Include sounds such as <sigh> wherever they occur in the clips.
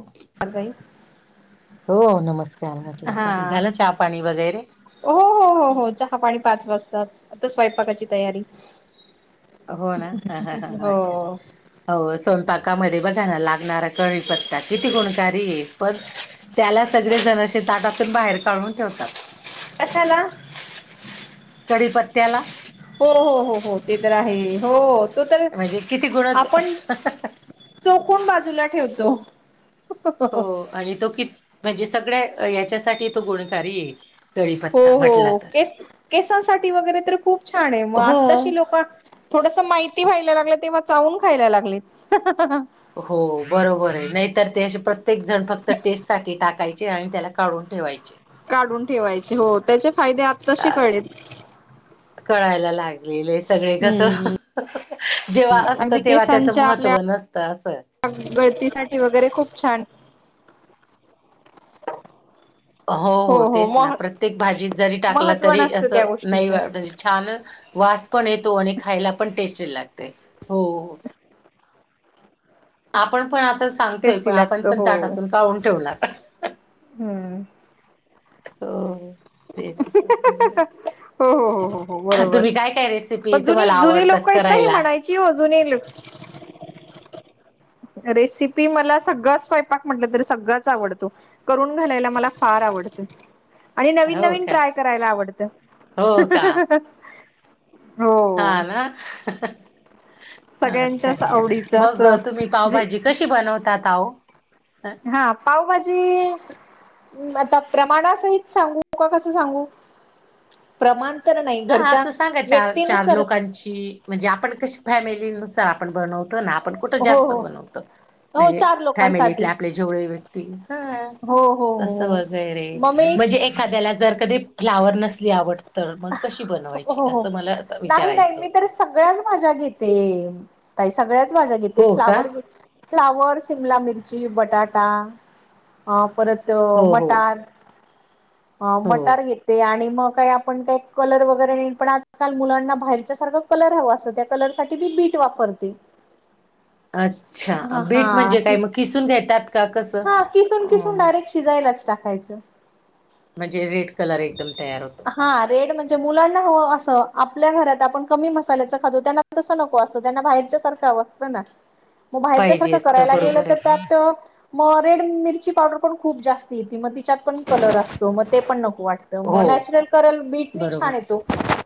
Okay. Sai हो. नमस्कार म्हटलं झालं चहा पाणी वगैरे. हो. हो. हो. चहा पाणी पाच वाजताच आता स्वयंपाकाची तयारी. हो. ना ह हो अच्छा हो स्वयंपाकामध्ये बघा ना लागणारा कडी पत्ता किती गुणकारी आहे. पण त्याला सगळे जणताटातून बाहेर काढून ठेवतात. कशाला. कडीपत्त्याला हो. हो. हो. हो. ते तर आहे. हो तो तर म्हणजे किती गुणच आपण चोकून बाजूला ठेवतो. हो. आणि तो म्हणजे सगळ्या हच्यासाठी तो गुणकारी आहे. हो. कढीपत्ता म्हटला हो. तर केसांसाठी वगैरे तर खूप छान आहे. मग आत्ताशी हो. लोक थोडस माहिती व्हायला लागलं. तेव्हा चावून खायला लागलेत. हो. बरोबर आहे. नाहीतर ते असे प्रत्येक जण फक्त टेस्ट साठी टाकायचे. आणि त्याला काढून ठेवायचे. काढून ठेवायचे हो त्याचे फायदे आता अ तसे कळेल. कळायला लागलेले सगळे कस हम्म जेव्हा अगदी असतं तेव्हा त्याचं केसांच्या आपल्या महत्त्व नसतं असं. गळतीसाठी वगैरे खूप छान. हो. हो. तेच ना प्रत्येक भाजी जरी टाकला. महत्त्व तरी नसतं त्या असं. नाही गोष्टीचं. वाज छान वास पण येतो. आणि खायला पण टेस्टी लागते. हो आपण पण आता सांगतोय. टेस्टी पण आपण लागतो पण हो. ताटातून काडुन ठेवणार. हम्म. हो तेस हो हो हो हो हो बरोबर रेसिपी पण जुनी तुम्हाला जुनी आवडतात लोक इत नाही करायला? म्हणायच. अजून येईल. रेसिपी मला सगळं स्वयपाक म्हटलं तरी सगळंच आवडतो. करून घालायला मला फार आवडते. आणि नवीन हो नवीन का ट्राय करायला आवडत. हो का हा ना. अच्छा सगळ्यांच्याच अच्छा आवडीचं मग असं तुम्ही जे पावभाजी कशी बनवतात आहो? हा पावभाजी आता प्रमाणासहित सांगू का कसं सांगू? प्रमाण तर नाही हा घरच्या असं सांगा चार चार व्यक्तीनुसार म्हणजे आपण कशी फॅमिली आपण बनतो ना. खठं हो जास्त हो बनवत हो म्हणजे चार फॅमिलीतले आपले लोकांसाठीच. जेवढ व्यक्ती ह हो हो हो तस हो वगैरे मग मी म्हणजे एखाद्याला जर कधी फ्लावर नसली आवड तर मग कशी बनवायची हो हो असं मला नाही नाही विचारायचं मी तर होतं. सगळ्याच भाज्या घेते काय सगळ्याच भाज्या घेते हो का फ्लावर घेत फ्लावर, शिमला मिर्ची, बटाटा हा परत अ हो हो मटार हा हो मटार घेते आणि मग काय आप आपण काय कलर वगैरे नाही पण आजकाल मुलांना बाहेरच्या सारखं कलर हवं असंत त्या कलर साठी मी बीट वापरते. <unintelligible> अच्छा, हा हा बीट म्हणजे अशी काय मग किसून घेतात का कसं? हा किसून अ किसून डायरेक्ट शिजायलाच टाकायचं. म्हणजे रेड कलर एकदम तयार होत हा रेड म्हणजे मुलांना हो अस आपल्या घरात आपण कमी मसाल्याच खातो. त्यानां तस नको असतो त्यांना बाहेरच्या सारखं हंव अंसतं ना मग बाहेरच्या पाहिजे सारखं असतं करायला गेलं बरोबर तर आहे त्यात मग रेड मिरची पावडर पण खूप जास्त येती मग तिच्यात पण कलर असतो मग ते पण नको वाट म हो नॅचरल करल बीटनी छान बरोबर येतो.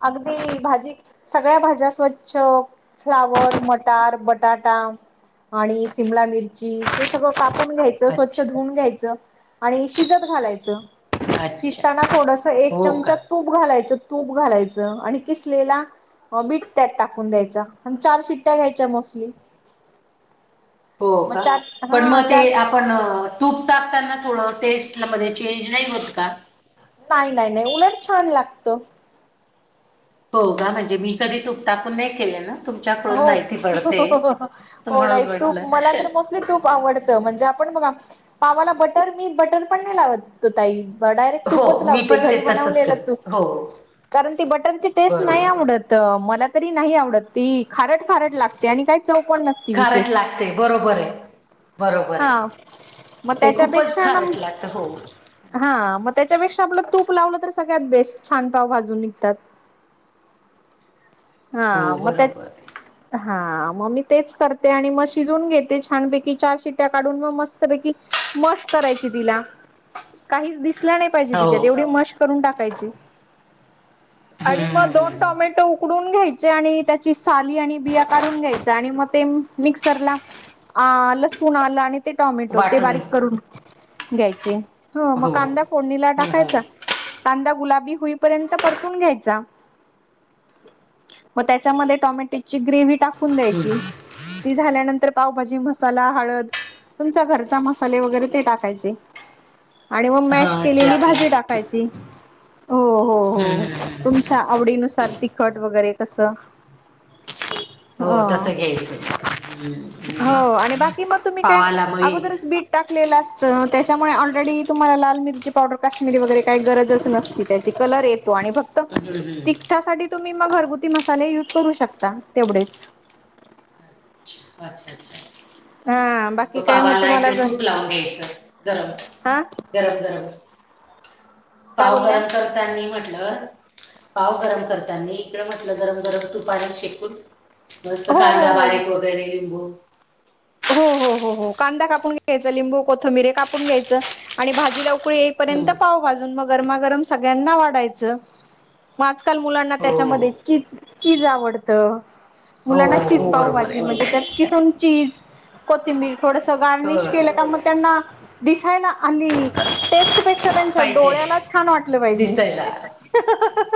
अगदी भाजी सगळ्या भाज्या स्वच्छ फ्लावर, मटार, बटाटा- आणि शिमला मिरची- हे सगळं कापून घ्यायचं स्वच्छ अच्छा धुऊून घ्यायचं आणि शिजत घालायचं. शिजताना अच्छा थोडस एक हो का चमचा तूप घालायचं तूप घालायचं आणि किसलेला हो, बिट त्यात टाकून द्यायचा आणि चार शिट्टया घ्यायच्या मोस्टली. हो मग का चार पण म हा ते चार आपण तूप टाकताना थोडं टेस्ट मध्ये चेंज नाही होत का? नाही नाय नाय उलट छान लागत. हो कां म्हणजे मी कधी तूप टाकून नाय केले ना तुमच्याकडून हो माहिती पडते हो म्हणून नाय तूप म्हटलं मला तर मोस्तली तूप आवडतं म्हणजे आपण बघा पावाला बटर मी बटर पण नाही लावत ताई डायरेक्ट हो तूपच मी लावते पण ते घरी तसंच बनवलेलं तूप, करते हो कारण ती बटरची टेस्ट नाही बरोबर आहे आवडत. मला तरी नाही आवडत ती खारट खारट लागते आणि काय चव पण नस खारट लागते बरोबरये हा म ते खूपच त्याच्यापेक्षा न खारट लागतं हो हा मग त्याच्यापेक्षा आपलं तूप लावलं तर सगळ्यात बेस्ट छान पाव भाजून निघतात. हा हो म त्यात बरोबर आहे हा म मी तेच करते आणि म शिजून घेते छानपैकी चार शिट्या काढून म मस्तपैकी मस्ट करायची तिला काहीच दिसलं नाय पाहिजे हो तिज्यात एवढी मस्श करून टाकायची हम्म आणि म हम्म दोन हम्म हम्म टोमॅटो उ उकडून घ्यायचे आणि त्याची साली आणि बिया काढून घ्यायच्या आणि म ते मिक्सरला- आं लसूण आलं आणि ते टॉमॅटो ते वाटून बारीक करून घ्यायचे. हं म हो कांदा- फोडणीला हो टाकायचा कांदा गुलाबी होईपर्यंत परतून घ्यायचा. म त्याच्यामध्ये टोमॅटोची ग्रेवी टाकून द्यायची. ती झाल्यानंतर पावभाजी मसाला हळद तुमचां घरचा मसाले वगैरे ते टाकायचे. आणि म मॅश हां जे केलेली आपले भाजी टाकायची हो हो हो हम्म हम्म हम्म तुम च्या आवडीनुसार तिखट वगैरे कसं हो तसं घ्यायचं <unintelligible> अ हम्म हो आणि बाकी म तुम्ही काय पावाला मग अगोदरच हम्म बीट टाकलेलं असतं त्याच्यामुळे ऑलरेडी तुम्हाला लाल मिरची पावडर काश्मीरी वगैरे काय गरजच नसती. त्याची कलर येत तो आणि फक्त हम्म तिखटासाठी तुम्ही म घरगुती मसाले युज करू शकता तेवढेच अच्छा अच्छा हा आणि बाकी तो काय मग पावाला तुम्हाला इकडे तूप लावून घ्यायचं गरम हा गरम गरम काय पाव बोलल्या गरम करतानी म्हटलं पाव गरम करताना इकड म्हटलं गरम गरम तू पाणी शेकून <unintelligible> थोडासा हो हो कांदा हो वगैरे हो बारी म <unintelligible> हो हो हो हो कांदा कापून घ्यायचा लिंबू कोथंबिरे कापून घ्यायचं आणि भाजीला उकळी पर्यंत हम्म पाव भाजून मग गरमागरम सगळ्यांना वाढायचं <unintelligible> मग आजकाल मुलांना हो त्याच्यामध्ये चीज चीज आवडतं <unintelligible> हो मुलांना चीज हो बरोबर पाऊभजी आहे म्हणजे त्यात किसनचीज <unintelligible> कोती मी थोडस हो गार्निश केलं का मग त्यांना दिसाय ना आली <unintelligible> टेस्ट पेक्षा त्यांच्या पाहिजे डोळ्याला छान वाटलं पाहिजे दिसायला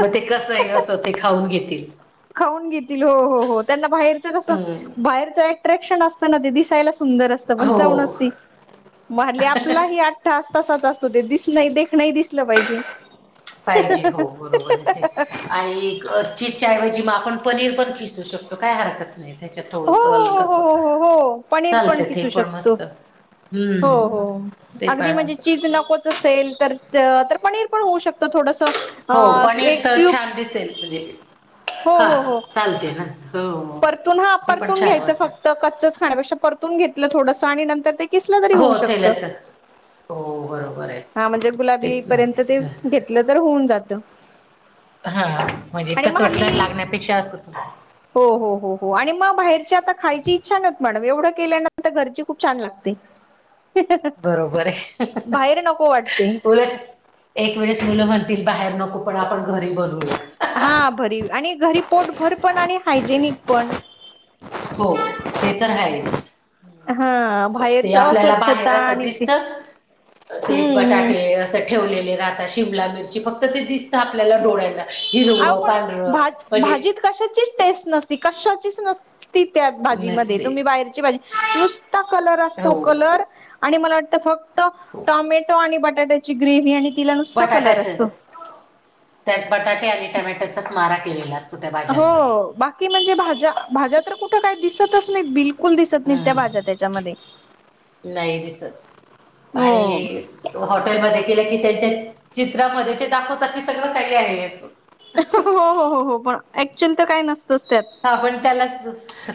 मग ते कसं आहे असं ते खाऊन घेतील <unintelligible> खाऊन घेतील हो हो हो त्यांना बाहेरच कसं हम्म बाहेरचं <unintelligible> अ्रॅक्शन असत ना ते दिसायला सुंदर असत पण जान हो असती <unintelligible> म्हले आपलाही आठठास तसाच असतो ते दिस नाही देखणंही दिसलं पाहिजे <unintelligible> पाहिजे हो बरोबर आहे ते आणि <unintelligible> च्याऐवजी म आपण पनीर पण खिसू शकतो काय हरकत नाही त्याच्यात हो थोडस हो हो हलकस हो हो हो पनीर पन खीसु शकतो हो हम्म हो ते अगड़ी पण म्हणजे असं चीज नको सेल तर तर पनीर पण होऊ शकत थोडस <unintelligible> हो पनीर एक तर क्यूब छान दिसेल म्हणजे हो हा हो हो चालते ना हो परतून हा ते पण परतून छान घ्यायच फक्त वाटतं कच्च खाण्यापेक्षा परतून घेतलं थोडं आणि नंतर ते <unintelligible> सलं तरी होऊ हो शकत तेलाचं हो बरोबर आहे हा म्हणजे गुलाबी तेच ना पर्यंत तेच ते घ लं तर होऊन जात <unintelligible> हा म्हणजे आणि मग कचवटल्यार हल्ली लागण्यापेक्षा असं <unintelligible> हो हो हो हो आणि मग बाहेरची आता खायची इच्छा नव्हत मॅडम एवढं केल्यानंतर घरची खूप छान लागते बरोबर आहे बाहेर नको वाटते <unintelligible> उलट एक वेळेस मुलं म्हणतील बाहेर नको पण आपण घरी बनवूया <unintelligible> हा भरी आणि घरी पोटभर पण आणि हायजेनिक पण <unintelligible> हो ते तर आहेच <unintelligible> हा ते बाहेरच आपल्याला बाहेर अस्वच्छता अस आणि ते दिसत ते हम्म बटाटे हम्म अस <unintelligible> ठेव राह शिमला मिरची फक्त ते दिसत आपल्या डोळ्या <unintelligible> हिरव अहो पण पांढर भा म्हणजे <unintelligible> भाजीत कशाचीच टेस्ट नसती कशाचीच नसती त्या भाजी म नसते तुम्ही बाहेरची भाजी कलर असतो हो कलर आणि मला वाटत फक्त टमॅटो आणि बटाटे ची ग्रेवी आणि <unintelligible> कलर बटाट्याच असतो त्यात बटाटे आणि टमॅटोचाच मारा केलेला असत <unintelligible> हो बाकी म्हणजे भाज्या भाज्या तर कुठे काही दिसतच नाही बिल <unintelligible> कुल दिसत नित्या भाझ्या हम्म त्याच्यामध्ये नाही दिसत हो आणि हॉटेलमध्ये केले की त्यांच्या चित्रामध्ये ते दाखवतात की सगळं काही आहे असं हो हो हो हो पण ऍक्च्युअली तर काय नसतच त्यात आपण त्याला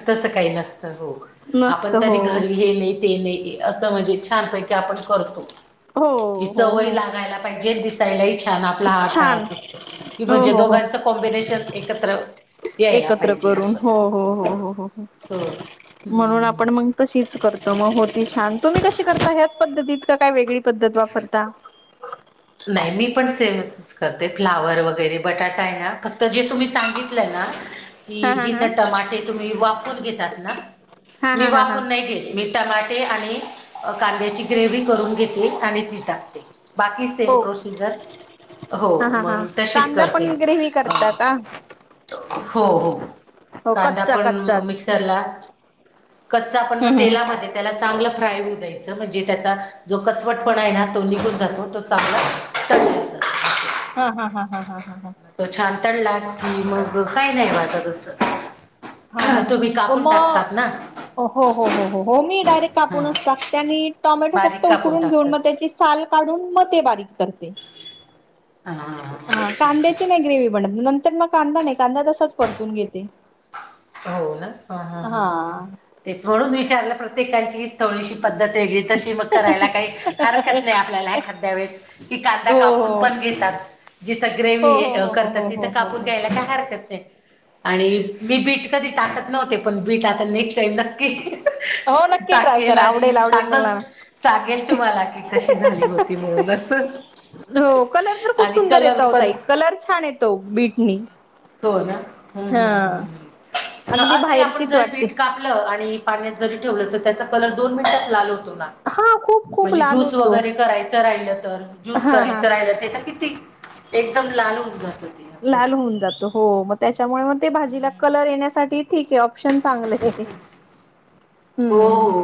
तसं काही नसतं हो नसत आपण हो तरी घरी घेणे ते नाही <unintelligible> असं म्हणजे छान पैकी आपण करतो हो कि हो चवय हो लागायला पाहिजे दिसायलाही छान आपला हा छान टास असतो <unintelligible> कि हो म्हणजे हो हो दोघांचं कॉम्बिनेशन एकत्र यायला एकत्र पाहिजे असं. हो म्हणून हम्म आपण म तच तर मग होती छान तुम्ही कशी करता ह्याच पद्धतीत का काय वेगळी पद्धत वापरता नाही मी पण सेवच <unintelligible> करते फ्लावर वगैरे बटाटा आहे ना फक्त जे तुम्ही सांगितलंय ना हि हा हा हा जिथं टमाटे तुम्ही वापून घेतात ना हा मी हा हा हा वापून नाही केेले मी टमाटे आणि कांद्याची ग्रेव्ही करून घेतली आणि ती टाकते बाकी सेम हो प्रोसिजर <unintelligible> हो हा हा मग हा तशीच कांदा करते पण ग्रेव्ही अ करता का हो हो हो कांदा कच्चा पण कच्चाच मिक्सरला कच्चा आपण मग हम्म तेलामध्ये त्याला चांगलं फ्राय होऊ द्यायचं म्हणजे त्याचा जो कचवट पण हम्म आहे ना तो निघून जातो तो चांगला टं हा हा हा हा हा हा मग तो छान तडला की मग काही नाही राहता असं. हा हा तुम्ही ह कापून मग टाकतात ना हो हो हो हो हो मी डायरेक्ट हां कापूनच टाकते आणि टॉमॅटो फक्त बारीक कापून उकडून घेऊन मग टाकतात त्याची साल काढून म ते बारीक करते. हा अच्छा कांद्याची अच्छा नाही ग्रेवी म्हणत नंतर मग कांदा नाही कांदा तसाच परतून घेते. हो ना ह हा तेच म्हणून विचारलं प्रत्येकाची थोडीशी पद्धत वेगळी तशी मग करायला काही हरकत नाही आपल्याला ह एकादया वेळे की कांदा कापून हो पण घेतात. जिथं हो हो ग्रेव हो हो करतात हो हो तिथं हो हो कापून हो. घ्यायला काय हरकत नाही. आणि मी बीट कधी टाकत नव्हते पण बीट आता नेक्स्ट टाईम नक्की. हो नक्की ट्राय टाके करा लाडी आवडेल आवडेल सांखर मला सांगेल तुम्हाला कि कशी झाली होती म्हणून अस हो कलर तर खूप सुंदर येत होता एक कलर छान येतो बीटनी हो ना हा अगदी असं आपण बाहेरचीच जरी पी वाटते कापलं आणि पाण्यात जरी ठेवलं तर त्याचा कलर दोन मिनिटात लाल होतो ना हा खूप खूप म्हणजे लाल ज्यूस होतो वगैरे करायचं राहिलं, तर ज्यूस हा हा करायचं राहिलं ते तर किती? एकदम लाल उघत होती. लाल होऊन जातो हो मग त्याच्यामुळे मग ते भाजीला कलर येण्यासाठी ठीक आहे ऑप्शन चांगले आहे. हो हम्म हो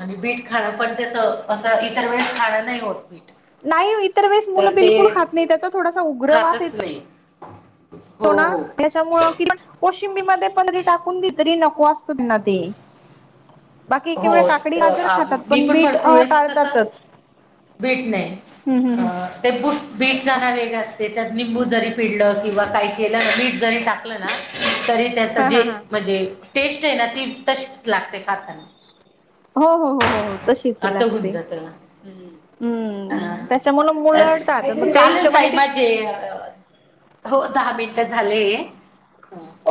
आणि बीट खाणं पण तेस असं इतर वेळेस खाणं नाही होत बीट नाही इतर वेस तर मुलं ते बिलकुल खात नाही त्याचा थोडासा उग्रवास येत. खातच नाही हो ना हो. त्याच्यामु कि कोशिंबी मध्ये परी टाकून द तरी नको असतो त्यांना ते. बाकी केव हो काकडी त गजर आ खातात मी पण बीट भरपूर वेळेस कसं टाळतातच बीट नाही. हम्म हम्म हम्म ते बूट बीट जाण वेगळं असते त्याच्यात निंबू जरी पिडलं किंवा काही केलं बीट जरी टाक ट ना तरी त्याच हा जे हा हा म्हणजे टेस्ट आहे ना ती तशी लागते खातात. हो हो हो हो हो तशीच असं होऊन लागते. जात. हा हम्म त्याच्यामुळे मुलंडतात मग त्या चालेल हिशोबाने काही ते माझे अ हो दहा मिनटं झाले.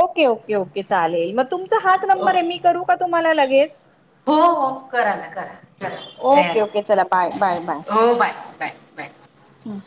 ओके ओके ओके चालेल मग तुमचा हाच नंबर आहे, ओके मी करू का तुम्हाला लगेच? हो हो करा ना करा करा काही ओके. ओके. हरकत चला बाय बाय बाय नाही हो बाय बाय हम्